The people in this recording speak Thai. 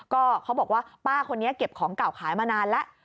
ก็เขาบอกว่าป้าคนนี้เก็บของเก่าขายมานานแล้ว